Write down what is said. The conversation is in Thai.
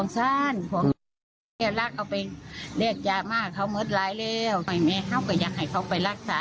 ตบได้ดังใจหนึ่งค่ะ